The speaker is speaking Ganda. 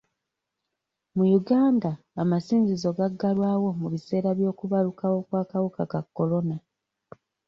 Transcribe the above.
Mu Uganda, amasinzizo gaggalwawo mu biseera by'okubalukawo kw'akawuka ka kolona.